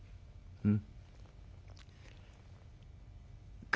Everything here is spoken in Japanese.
うん。